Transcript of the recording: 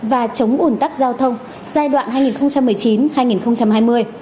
và chống ủn tắc giao thông giai đoạn hai nghìn một mươi chín hai nghìn hai mươi